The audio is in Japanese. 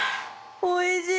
おいしい！